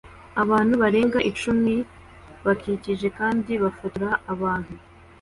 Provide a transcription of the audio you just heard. Abantu barenga icumi bakikije kandi bafotora abantu